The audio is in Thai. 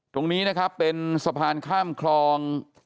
ตรงนี้นะครับเป็นสะพานข้ามคลอง